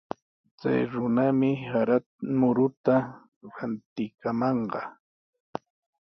Chay runami sara muruta rantikamanqa.